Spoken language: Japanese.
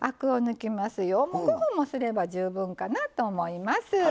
５分もすれば十分かなと思います。